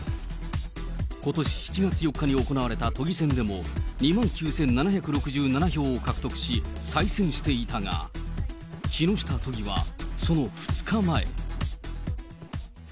ことし７月４日に行われた都議選でも、２万９７６７票を獲得し、再選していたが、木下都議はその２日前。